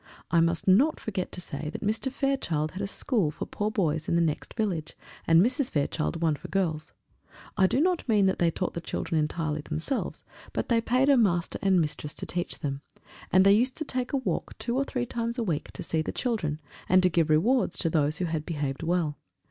I must not forget to say that Mr. Fairchild had a school for poor boys in the next village, and Mrs. Fairchild one for girls. I do not mean that they taught the children entirely themselves, but they paid a master and mistress to teach them; and they used to take a walk two or three times a week to see the children, and to give rewards to those who had behaved well.